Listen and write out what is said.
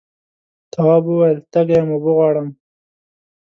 تواب وویل تږی یم اوبه غواړم.